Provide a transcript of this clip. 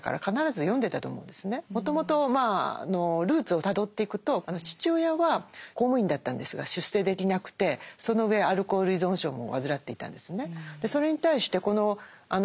もともとルーツをたどっていくと父親は公務員だったんですが出世できなくてその上アルコール依存症も患っていたんですね。